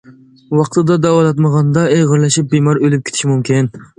ۋاقتىدا داۋالاتمىغاندا، ئېغىرلىشىپ بىمار ئۆلۈپ كېتىشى مۇمكىن.